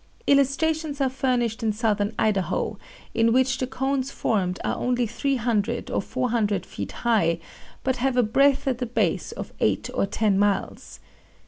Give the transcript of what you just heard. Illustrations are furnished in Southern Idaho, in which the cones formed are only three hundred or four hundred feet high, but have a breadth at the base of eight or ten miles.